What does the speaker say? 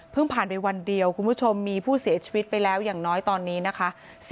ผ่านไปวันเดียวคุณผู้ชมมีผู้เสียชีวิตไปแล้วอย่างน้อยตอนนี้นะคะ